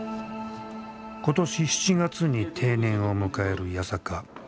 今年７月に定年を迎える八坂。